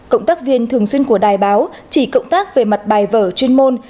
cộng tác viên thường xuyên của đài báo chỉ cộng tác về mặt bài vở chuyên môn